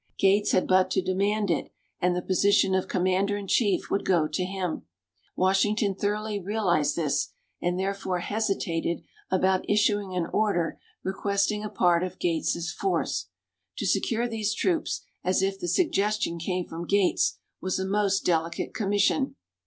Gates had but to demand it, and the position of Commander in Chief would go to him. Washington thoroughly realized this, and therefore hesitated about issuing an order requesting a part of Gates' force. To secure these troops as if the suggestion came from Gates was a most delicate commission.